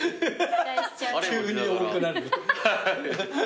急に重くなる。